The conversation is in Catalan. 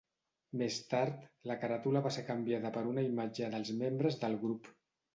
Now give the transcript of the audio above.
Més tard, la caràtula va ser canviada per una imatge dels membres del grup.